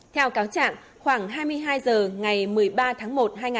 theo cáo trạng khoảng hai mươi hai h ngày một mươi ba tháng một hai nghìn một mươi năm